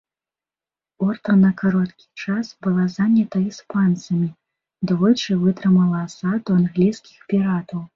Орта на кароткі час была занята іспанцамі, двойчы вытрымала асаду англійскіх піратаў.